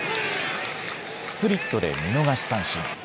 スプリットで見逃し三振。